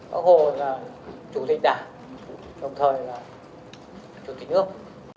quốc hội là chủ tịch đảng đồng thời là chủ tịch nước